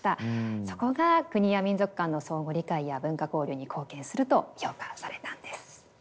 そこが国や民族間の相互理解や文化交流に貢献すると評価されたんです。